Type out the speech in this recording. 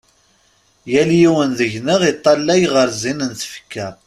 Yal yiwen deg-nneɣ iṭṭalay ɣer zzin n tfekka.